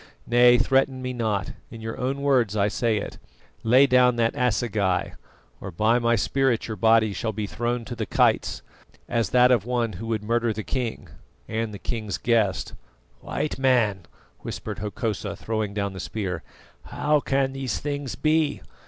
Nay, threaten me not in your own words I say it 'lay down that assegai, or by my spirit your body shall be thrown to the kites, as that of one who would murder the king' and the king's guest!" "White Man," whispered Hokosa throwing down the spear, "how can these things be?